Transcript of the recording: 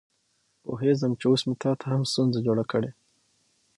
پوهېږم چې اوس مې هم تا ته ستونزه جوړه کړې.